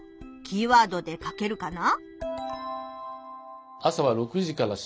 キーワードで書けるかな？